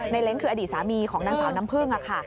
นายเล้งคืออดีตสามีของนางสาวน้ำพื้ง